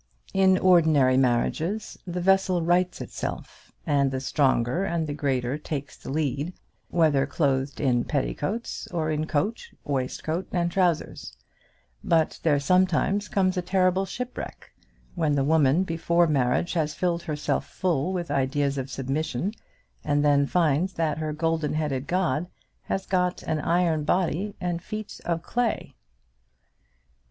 In ordinary marriages the vessel rights itself, and the stronger and the greater takes the lead, whether clothed in petticoats, or in coat, waistcoat, and trousers; but there sometimes comes a terrible shipwreck, when the woman before marriage has filled herself full with ideas of submission, and then finds that her golden headed god has got an iron body and feet of clay.